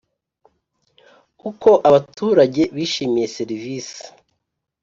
Uko abaturage bishimiye serivisi